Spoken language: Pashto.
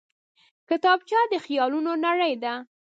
کتابچه د خیالونو نړۍ ده